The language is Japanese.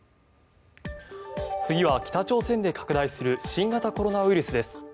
次は北朝鮮で拡大する新型コロナウイルスです。